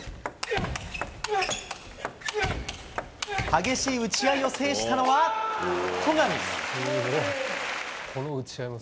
激しい打ち合いを制したのは、戸上。